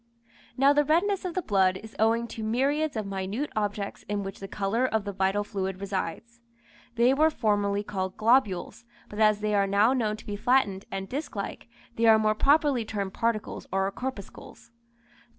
Now the redness of the blood is owing to myriads of minute objects in which the colour of the vital fluid resides. They were formerly called globules, but as they are now known to be flattened and disc like, they are more properly termed particles or corpuscles.